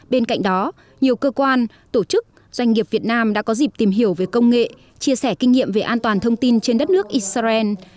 bên cạnh đó nhiều cơ quan tổ chức doanh nghiệp việt nam đã có dịp tìm hiểu về công nghệ chia sẻ kinh nghiệm về an toàn thông tin trên đất nước israel